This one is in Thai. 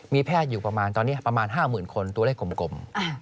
มีแพทย์อยู่ประมาณตอนนี้ประมาณ๕๐๐๐คนตัวเลขกลม